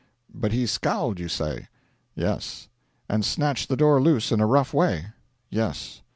'But he scowled, you say?' 'Yes.' 'And snatched the door loose in a rough way?' 'Yes.'